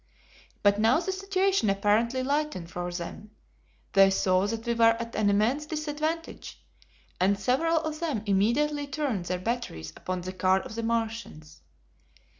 But now the situation apparently lightened for them. They saw that we were at an immense disadvantage, and several of them immediately turned their batteries upon the car of the Martians.